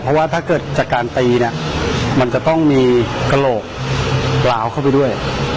เพราะว่าถ้าเกิดจากการตีเนี่ยมันจะต้องมีกระโหลกล้าวเข้าไปด้วย